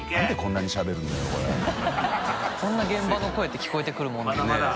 こんな現場の声って聞こえてくるものなんだ。